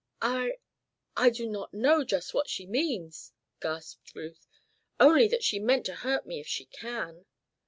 "I I do not know just what she means," gasped Ruth, "only that she means to hurt me if she can."